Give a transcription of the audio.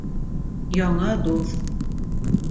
ЯҢЫ ДУҪ